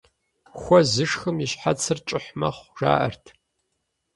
Хуэ зышхым и щхьэцыр кӀыхь мэхъу, жаӀэрт.